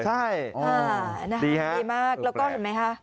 ใช่ดีมากแล้วก็เห็นไหมคะ